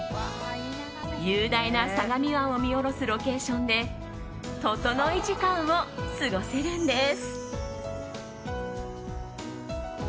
雄大な相模湾を見下ろすロケーションでととのい時間を過ごせるんです。